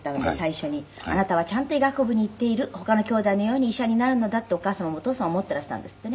あなたはちゃんと医学部に行っている他のきょうだいのように医者になるのだってお母様もお父様も思っていらしたんですってね。